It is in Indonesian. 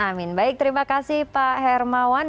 amin baik terima kasih pak hermawan